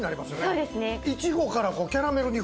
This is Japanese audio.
そうですね。